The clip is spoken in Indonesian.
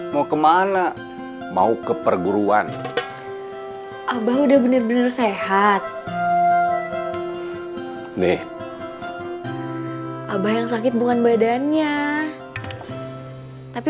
mau kemana mau ke perguruan abah udah bener bener sehat deh abah yang sakit bukan badannya tapi